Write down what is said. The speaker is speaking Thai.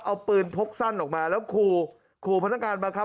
เอาปืนพกสั้นออกมาแล้วครูพนักการมาครับ